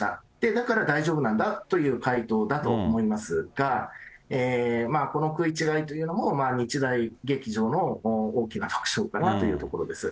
だから大丈夫なんだという回答だと思いますが、この食い違いというのも、日大劇場の大きな特徴かなというところです。